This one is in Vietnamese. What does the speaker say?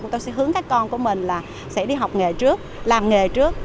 tôi sẽ hướng các con của mình là sẽ đi học nghề trước làm nghề trước